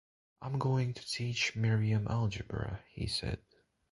“I’m going to teach Miriam algebra,” he said.